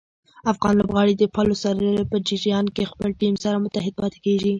افغان لوبغاړي د خپلو سیالیو په جریان کې خپل ټیم سره متحد پاتې کېږي.